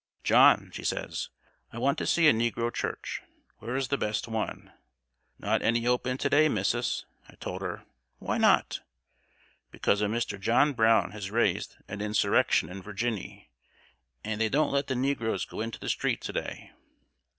'John,' she says, 'I want to see a negro church. Where is the best one?' 'Not any open to day, Missus,' I told her. 'Why not?' 'Because a Mr. John Brown has raised an insurrection in Virginny, and they don't let the negroes go into the street to day.'